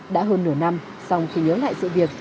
đã hơn nửa năm sau khi nhớ lại sự việc